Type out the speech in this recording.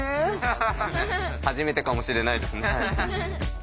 初めてかもしれないです。